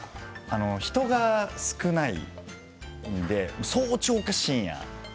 人が少ないので早朝か深夜。